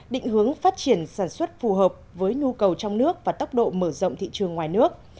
định hướng phát triển sản xuất phù hợp với nhu cầu trong nước và tốc độ mở rộng thị trường ngoài nước